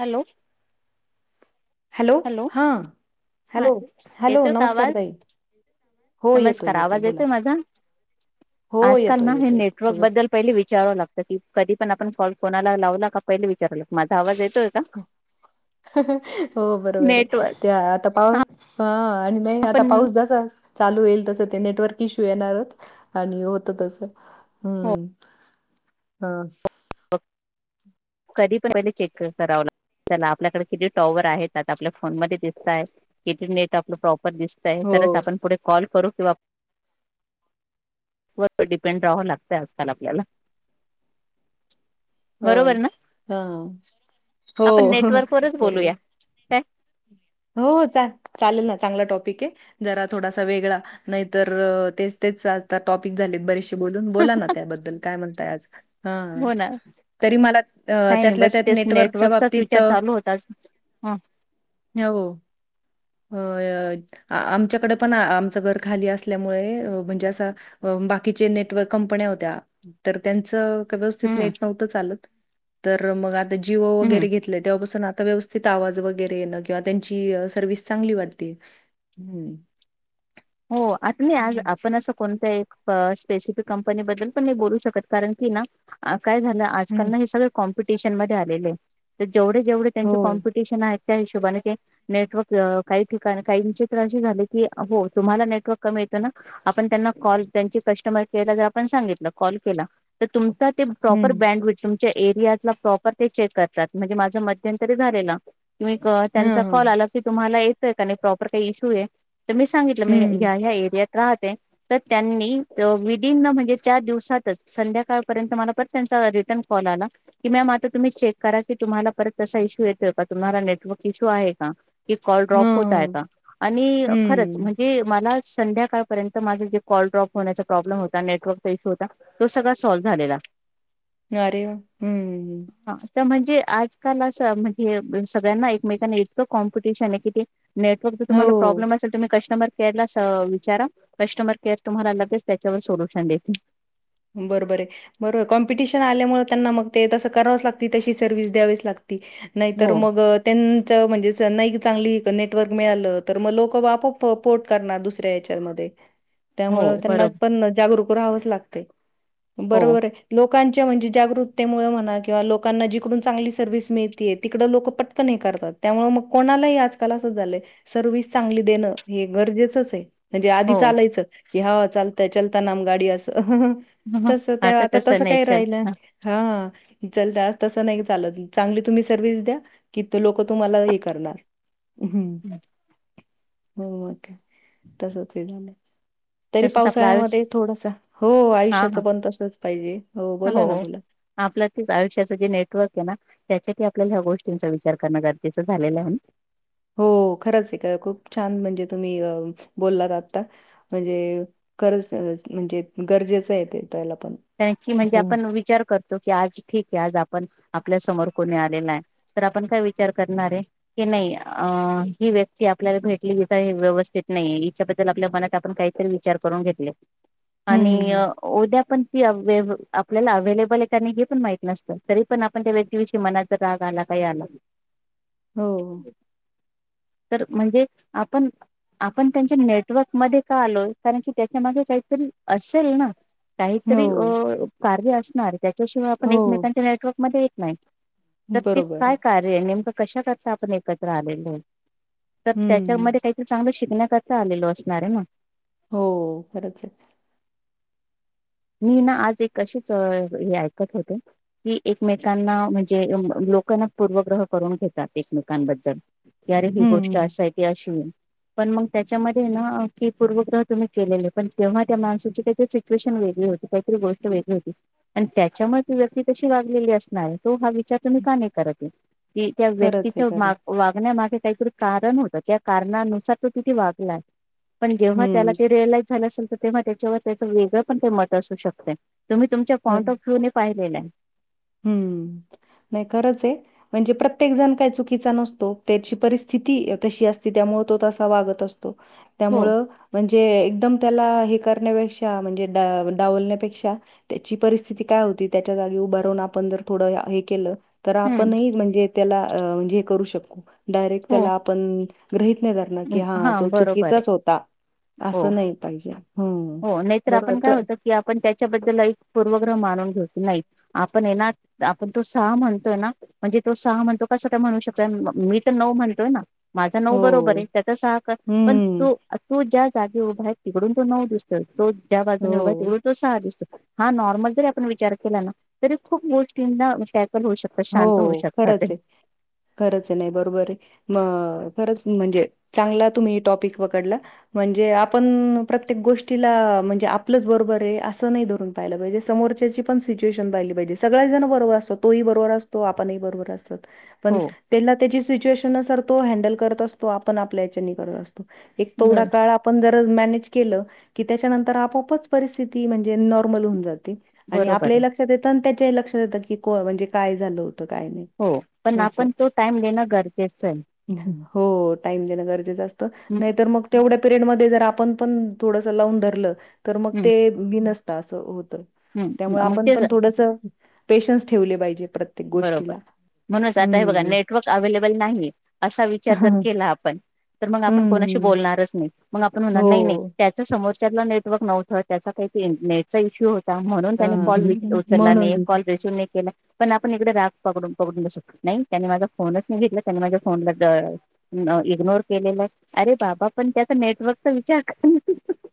Hello. Hello हा हा hello hello येतोय का नमस्कार आवाज ताई. हो येतोय नमस्कार येतोय आवाज बोला येतो माझा हो आजकाल येतोय ना हे येतोय नेटवर्क बरोबर बद्दल पहिली विचारव लागतं की कधी पण आपण कॉल कोनाला लावला का पहिले विचारव लागत माझा आवाज येतोय का? हो बरोबर आहे नेटवर्क ते आता पाहू. हा आणिनाही आता आपण पाऊस जसा चालू होईल तस ते नेटवर्क इश्यू येणारच आणि होत तस. हो हम्म, हा. बग, कधी पण पयले चेक कर सरावला. सगना, आपल्याकडे किती टॉवर आहेत आपल्या फोन मध्ये दिसतायत? किती नेट आपलं प्रॉपर दिस तई हो तरच आपण पुढे कॉल करू किंवा वर डिपेंड राहावं लागतय आजकाल आपल्याला. होय, बरोबर ना हं, हो आपण ह्हह्ह नेटवर्कवरच बोलूया बरोबर. काय होहो चाल. चालल ना चांगला टॉपिकाय, जरा थोडासा वेगळा, नाहीतर तेच तेच ता टॉपिक झालेत बरेचसे बोलून, बोला ना त्याबद्दल काय म्हणताय आज. हं, हो ना तरी मला अ काही त्यातल्या त्यात नेटवर्कच्या बाबतीत्त. जास्त, हं हओ, होय, होय. आमच्याकडे पण, आमचं घर खाली असल्यामुळे म्हणजे असं बाकीचे नेटवर्क कंपन्या होत्या तर त्यांचं का व्यवस्तित हम्म, नेट नव्हतं चालत तर मग आता जीओ हम्म. वगरे घेतलंय तेव्हापासून आत त व्यवस्थित आवाज वगरे येला. वा त्यांची सर्विस चांगली वाटती, हं. हो आता नाही आलं आपण असं कोणतं एक प स्पेसिफिक कंपनीबद्दल पण नाही बोलू शकत कारण की ना, काय झालं आजकाल हं, ना हे सगळं कॉम्पिटिशन मधे आलेले आहेत, त जेवढे जेवढे त्यांचे हो. कॉम्पिटिशन आहेत ‌ त्या हिशोबाने ते, नेटवर्क काही ठिकाणी काहींचे त असे झाले की हो तुम्हाला नेटवर्क कमी येतं ना? आपण त्यांना कॉल, त्यांची कस्टमर केलं त आपण सांगितलं कॉल केला तर तुमचा ते प्रॉपर हं. ब्रँड विल, तुमच्या एरियातला प्रॉपर ते चेक करतात म्हणजे माझं मध्यंतरी झालेलं. तो एक, हां, त्यांचा कॉल हां. आला की तुम्हाला येतंय का नाही प्रॉपर काही इश्यू आय? सांगितलं मी हं. ह्या ह्या एरियात राहते तर त्यांनी विदिन्न म्हणजे त्या दिवसातच संध्याकाळपर्यंत मला परत त्यांचा रिटर्न कॉल आला कि मॅम आता तुम्ही चेक करा की तुम्हाला परत तसा इश्यू येतोय का तुम्हाला नेटवर्क इश्यू आहे का? कि कॉल हां, ड्रॉप होताय हां. का? आणि खरंच हं. म्हणजे मला संध्याकाळपर्यंत माझा जे कॉल ड्रॉप होण्याचा प्रॉब्लेम होता, नेटवर्कचा इश्यू होता तो सगळा सॉल्व्ह झालेला. अरे, हम्म. हा त म्हणजे आजकाल असं म्हणजे सगळ्यांना एकमेकांना इतकं कॉम्पिटिशन आहे कि ते नेटर्कचं तुम्हाला हो. प्रॉब्लम असेल तर तुम्ही कश त मग त्यायलाच अ विचारा, कष्टमर केअर तुम्हाला लगेच त्याच्यावर सोल्युशन देतील. बरोबरय बरो-कॉम्पिटिशन आल्यामुळे त्यांना मग ते तसं करावीच लागती तशी सर्व्हिस द्यावीच लागती नाहीतर हो मग त्यांचं म्हणजे च नैका चांगली? नेटवर्क मिळालं तर मग लोकं आपॉप पोर्ट करणार दुसऱ्या याच्यामध्ये. हो त्यामुळं त्यांना बरोबर पण जागरूक राहावंच लागतंय, हो बरोबराय. लोकांच्या म्हणजे जागृकतेमुळे म्हणा किंवा लोकांना जिकडून चांगली सर्व्हिस मिळतीय तिकडं लोकं पट् पण हे करतात, त्यामुळे मग कोणालाही आजकाल असंच झालंय. सर्विस चांगली देणं हे गरजेचंचय. म्हणजे आधी हो चालायचं की हं चालतंय चलता नाम गाडी असं. आह्हह तस त्या आता तसं काही राहिलं. हा चलत, तसं नाही चालत, चांगली तुम्ही सर्व्हिस द्या कि तो लोक तुम्हाला हे करणार. उ हुं हो मग तसच काय झाल. तरी तसच आपलं पावसाळ्यामध्ये आयुष्य थोडासा, हो हा आयुष्याचं हा पण तसच पाहिजे. हो बोला ना, बोला. आपलं तेच आयुष्याचं जे नेटवर्क हाय ना. त्याच्या की आपल्याला ह्या गोष्टींचा विचार करणं गरजेचं झालेलं आहे. हो खरंच ये का खूप छान म्हणजे तुम्ही अ बोललात आता. म्हणजे खरच म म्हणजे गरजेचं हाय ते त्याला पण कारन की म्हणजे हं, आपण विचार करतो की, आज ठीक आहे. आज आपण आपल्या समोर कोणी आलेल नाही. तर आपण काय विचार करणार ये की नाही अ ही व्यक्ती आपल्याला भेटली हि काय व्यवस्थित नाही, हिच्याबद्दल आपल्या मनात आपण काही तर विचार करून घेतले. [inaudible] आणि उद्या पण ती अव्हेव आपल्याला अव्हेलेबल आहे का नाही हे पण माहित नसतं. तरी पण आपण त्या व्यक्तीविषयी मनात राग आला काही आला [inaudible] तर म्हणजे आपण आपण त्यांच्या नेटवर्क मध्ये का आलोय? कारण की त्याच्या मागे काहीतरी असेल ना? तरी हो, अ कार्य असणार त्याच्याशिवाय आपण हो. एकमेकांच्या नेटवर्कमध्ये येत नाही. तर ते बरोबर. काय कार्य हाय, नेमकं कशा करता आपण एकत्र आलेलो हाय, तर हं. त्याच्यामध्ये काही चांगलं शिकण्याकरता आलेलो असणार आहे ना. हो खरंच ये. मी ना, आज एक अशीच हे ऐकत होते. की एकमेकांना म्हणजे लोक ना पूर्वग्रह करून घेतात एकमेकांबद्दल. की आरे ही गोष्ट हं, आस हाय ती अशी ये. पण मग त्याच्यामध्ये ना की, पूर्वग्रह तुम्ही केलेले पण तेव्हा त्या माणसाचे काही सिच्युएशन होईल. हे होती काहीतरी गोष्ट वेगळी होती आणि त्याच्यामुळे ती व्यक्ती तशी वागलेली असणार तो हा वि चार तुम्ही का नाही करत ये. त्या खरंच आहे, व्यक्तीच्या खरंच. वाग वागण्यामागे काहीतरी कारण होत, त्या कारणानुसार तो तिथे वागला, पण जेव्हा त्याला हं, ते रिअलाइज झालं असेल तर तेव्हा तेच्यावर त्याचं वेगळं पण ते मत असू शकतय. तुम्ही तुमच्या पॉईंट ऑफ व्ह्यू ने पाहिलेलं हाय. हुं. नाही खरंच ये. म्हणजे प्रत्येक जण काय चुकीचा नसतो. त्याची परिस्थिती तशी असते, त्यामुळे तो तसा वागत अस तो, हो. त्यामूळ म्हणजे एकदम त्याला हे करण्यापेक्षा म्हणजे डा डावलण्यापेक्षा त्याची परिस्थिती काय होती त्याच्या जागी उभारून आप पण जर थोड हे केलं तर, हम्म. आपणही म्हणजे त्याला म्हणजे हे करू शकू. डायरेक्ट हो. त्याला आपण ग्रहित नाही धरणार की, हा तो बरोबर आहे. चुकीचाच होता. हो. आसं नाही पाहिजे हुं. म हो नाहीतर बरोबर आपण काय हाय प होतं की आपण त्याच्याबद्दल एक पूर्वग्रह मानून घेत नाही. आपण ये ना, आपण तो सहा म्हणतोय ना? म्हणजे तो सहा म्हणतो कसं का म्हणू शकतोय, मी तर नऊ म्हणतोय ना? माझा नऊ बरोबर हो. ये, त्याचा सहा का? पण हं. तू.. तू ज्या जागी उभा आहे, तिकडून तो नऊ दिसतो तो ज्या बाजूने उभा आहे हो. तिकडून तो सहा दिसतो. हा नॉर्मल जरी आपण विचार केला ना तरी खूप गोष्टीं ना काहीतर होऊ शकतं हो खरच आहे खरंच नाही बरोबर आहे म खरंच म्हणजे चांगला तुम्ही टॉपिक पकडला म्हणजे आपण प्रत्येक गोष्टीला म्हणजे आपलंच बरोबर आहे असं नाही धरून राहिलं पाहिजे समोरच्याची पण सिच्युएशन पाहिली पाहिजे सगळ्या जण बरोबर असतो तोही बरोबर असतो तो आपण बरोबर असतात पण हो त्याला त्याची सिच्युएशन नुसार तो हँडल करत असतो आपण आपल्या याच्याने करत असतो एक ब तेवढ्या काळात आपण जर मॅनेज केलं की त्याच्यानंतर आपोआपच परिस्थिती म्हणजे नॉर्मल होऊन जाते आणि बरोबर आपल्याही आहे लक्षात येतं आणि त्याच्याही लक्षात येतं की को म्हणजे काय झालं होतं काय नाही हो पण आपण तो टाइम देणं गरजेचं आहे अहं हो टाइम देणं गरजेचं असतं हम्म नाही तर मग तेवढ्या पिरियडमध्ये जर आपण पण थोडसं लावून धरलं तर मग हम्म ते बीनसतं असं होतय त्यामुळे हम्म मग आपण ते पण थोडसं पेशन्स ठेवले पाहिजेत प्रत्येक बरोबर गोष्टीला म्हणूनच आता हे बघा हं. नेटवर्क अवेलेबल नाहीये असा विचार जर हं, केला आपण तर मग आपण कोणाशी हं. बोलणारच नाही मग आपण म्हणारही नाही हो. त्याचं समोरच्यातला नेटवर्क नव्हतं त्याचा काही नेटचा इश्यू होता म्हणून त्यानी हां. कॉल एक उचलला नाही म्हणून एक कॉल रिसीव्ह नाही केला पण आपण इकडे राग पकडून पकडुन बसु नाही त्यांने माझा फोनच नाही घेतला त्यांनी माझ्या फोन न इग्नोर केलेलास अरे दादा पण त्याचा नेटवर्कचा विचार कर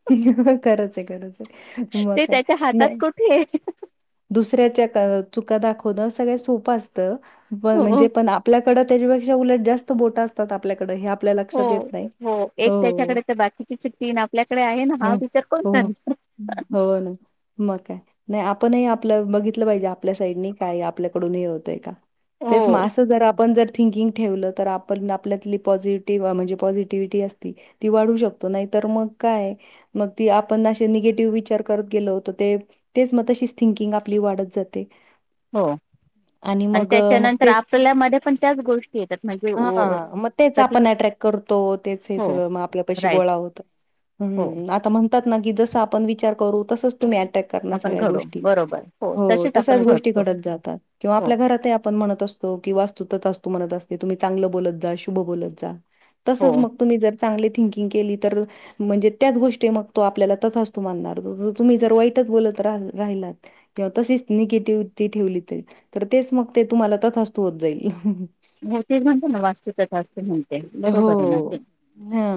हं हं हं खरचं आहे खरचं आहे मग ते काय त्याच्या हातात नाही कुठे आहे दुसऱ्याच्या क चुका दाखवण सगळ्यात सोपं असतं पण हो म्हणजे पण आप आपल्याकडं त्याच्यापेक्षा उलट जास्त बोट असतात आपल्याकडे हे आपल्या हो लक्षात येत नाही हो एक हो त्याच्याकडे तर बाकीची जी तीन आपल्याकडे आहे ना हा विचार कोण करणार ह हो ना मग काय नाही आपणही आपलं बघितलं पाहिजे आपल्या साईडनी काय आपल्याकडूनही हे होतय का हो तेच ना असं जर आपण जर थिंकिंग ठेवलं तर आप पण आपल्यातली पॉझिटिव्ह म्हणजे पॉझिटिव्हटी असती ती वाढवू शकतो नाही तर मग काय मग ती आपण असे निगेटिव्ह विचार करत गेलो तर ते तेच मग तशीच थिंकिंग आपली वाढत जाते हो आणि मग अ, मग त्याच्यानंतर आपल्यामध्ये पण त्याच गोष्टी येतात म्हणजे ओ हा मग तेच कधी आपण अट्रॅक्ट करतो तेच हे हो सगळं मग आपल्यापशी राईट गोळा होतं हो हम् आता म्हणतात ना की जसं आपण विचार करू तसचं तुम्ही अट्रॅक्ट करनार आपण सगळ्या घडो गोष्टी बरोबर हो तसेच तश्याच आपण गोष्टी घडतो घडत जातात किंवा हो आपल्या घरातही आपण म्हणत असतो कि वास्तु तथास्तु म्हणत असते की तुम्ही चांगलं बोलत जा शुभ बोलत जा हो तसंच मग तुम्ही जर चांगली थिंकिंग केली तर म्हणजे त्याच गोष्टी मग तो आपल्याला तथास्तु म्हनणार मग जर तुम्ही जर वाईटच बोलत राहन राहिलात तर तशीच निगेटिव्ही ठेवली तर तेच मग ते तुम्हाला तथास्तु होत जाईल हं हं हो ते म्हणतो ना वास्तु तथास्तु म्हणून हो हा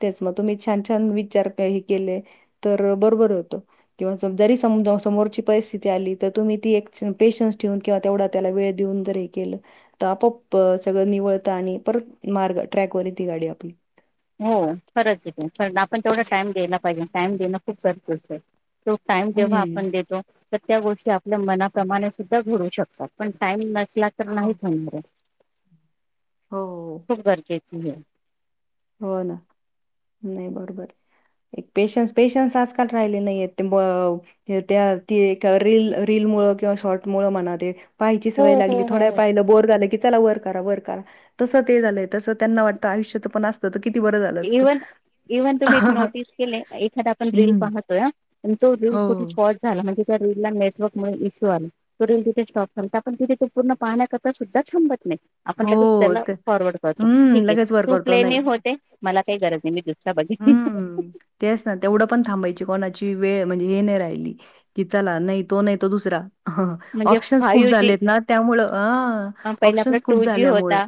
तेच मग तुम्ही छान छान विचार काही केले तर बरोबर होतय किंवा सम जरी समजा समोरची परिस्थिती आली तर तुम्ही ती एक पेशन्स ठेवून किंवा तेवढा त्याला वेळ देऊन जर हे केलं तर आपोआप सगळं निवळतं आणि परत मार्ग ट्रॅकवर येती गाडी आपली हो खरच आहे ते आपण तेवढा टाइम घ्यायला पाहिजे टाइम देणं खूप गरजेचे तो टाइम जेव्हा हं. आपण देतो तर त्या गोष्टी आपल्या मनाप्रमाणे सुद्धा घडू शकतात. पण टाइम नसला तर हो, नाहीच होणार आहे हो, खूप गरजेची आहे. हो ना, नाही बरोबर आहे. पेशन्स पेशन्स आजकाल राहिले नाहीय ते म हे त्या ती एक रील रील मुळ किंवा शॉर्ट मुळ म्हणा ते पाहायची हो सवय हो लागली हो थोड्या हो पाय बोर झाल की चला वर करा वर करा, तसं त्यांना वाटत आयुष्यात पण असत. तर किती बरं झालं असत. इव्हन इव्हन तुम्ही एक नोटीस केलय एखादा आपण रील पाहतोय हां, तो रील हो कुठे स्पॉट झालं म्हणजे त्या रील ला नेटवर्क मधे इश्यू आले. तो रिल तिथे स्टॉप करता पण तिथे तो पूर्ण पाहण्याकरिता सुद्धा थांबत नाही आपण लगेच हो त्याला ते फॉरवर्ड करतो हम्म ठीके लगेच वर तु करतो प्लेन ए नाही होते मला काही गरज नाही मी दुसरा बघीन हम्म तेच ना तेवढं पण थांबायची कोणाची वेळ म्हणजे हे नाही राहिली. कि चला नाही तो नाही तर दुसरा हा म्हणजे ऑप्शन्स खूप फायू जी झालेत ना त्यामुळ अह पहिला आपला ऑप्शन्स खूप टू जी झाल्यामुळं होता,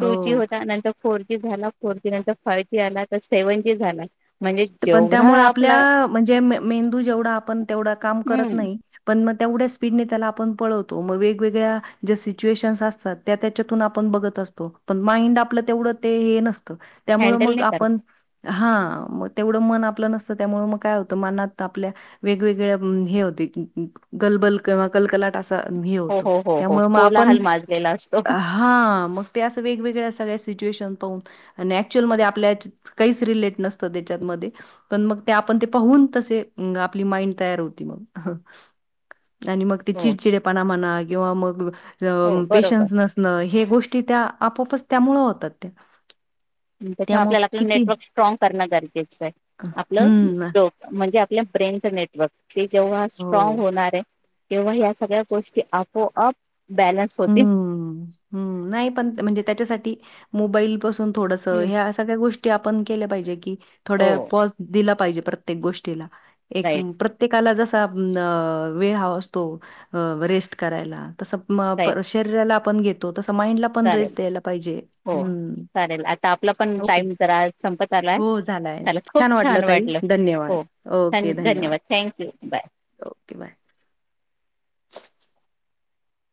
टू जी हो होता. आणि नंतर फोर जी झाला फोर जी नंतर फाय जी आला तर सेव्हन जी झाला म्हणजे पण जेवढा त्यामुळे आपला आपल्या म्हणजे में मेंदू जेवढा आपण तेवढं काम करत हम्म नाही पण मग तेवढ्या स्पीडने त्याला आपण पळवतो मग वेगवेगळ्या ज्या सिच्युएशन्स असतात त्या त्याच्यातून आपण बघत असतो पण माइंड आपलं तेवढं ते हे नसतं. त्यामुळं हँडल मग नाही करत आपण हा म तेवढं मन आपलं नसतं त्यामुळे मग काय होतं मनात आपल्या वेगवेगळ्या अह हे होते गलबल किंवा कलकलाट अस त हे हो होत हो हो हो त्यामुळं मग आपण कोलाहल माजलेला असतो आ हा मग ते असं वेगवेगळ्या सगळ्या सिच्युएशन पाहून आणि ऍक्चुअल मध्ये आपल्या काहीच रिलेट नसतं ते त्यांच्यामध्ये पण मग ते आपण पाहून तसे आपली माईंड तयार होते मग, हा. आणि मग ते हो चिडचिडेपणा म्हणा किंवा मग हो अह बरोबर पेशन्स नसणं हे गोष्टी त्या आपोपच त्यामुळ होतात त्या त्याचामुळे त्यामुळं आपल्याला आपलं किती नेटवर्क स्ट्राॅंग करणं गरजेचं आहे आपलं हं, जो म्हणजे आपल्या ब्रेनचं नेटवर्क ते जेव्हा स्ट्रॉंग हो. होणार आहे तेव्हा ह्या सगळ्या गोष्टी आपोआप बॅलन्स होतील. हम्म, हम्म नाही पण म्हणजे त्याच्यासाठी मोबाईल पासून थोडस हे असं सगळ्या गोष्टी आपण केल्या पाहिजे की थोड हो पॉज दिला पाहिजे प्रत्येक गोष्टीला एक राईट प्रत्ये प्रत्येकाला जसा अह वेळ हवा असतो रेस्ट करायला तसा म राईट पर शरीराला आपण घेतो तस माइंडला पण चालेल रेस्ट द्यायला पाहिजे हो हम्म चालेल आता आपला पण हाव की टाइम जरा संपत आलाय हो झालाय. चला छान खूप वाटलं ताई धन्यवाद. हो ओके धन्यवाद. Thank you bye okay bye.